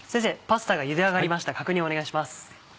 パスタがゆで上がりました確認お願いします。